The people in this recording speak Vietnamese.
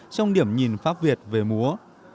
trong điểm nhìn pháp việt về múa